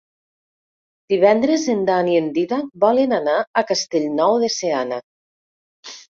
Divendres en Dan i en Dídac volen anar a Castellnou de Seana.